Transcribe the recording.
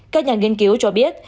các nhà nghiên cứu cho biết